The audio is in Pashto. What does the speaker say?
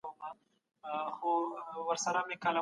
د دولتونو وده د یوې ودانۍ په څېر ده.